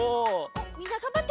みんながんばって！